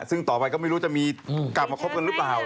ซึ่งต่อไปก็ไม่รู้จะมีกลับมาคบกันหรือเปล่า